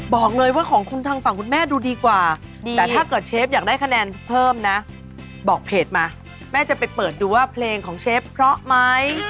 บอกเลยว่าของคุณทางฝั่งคุณแม่ดูดีกว่าแต่ถ้าเกิดเชฟอยากได้คะแนนเพิ่มนะบอกเพจมาแม่จะไปเปิดดูว่าเพลงของเชฟเพราะไหม